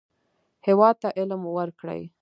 هېواد ته علم ورکړئ